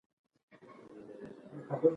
بزګرانو دولتي مامورین له منځه یوړل.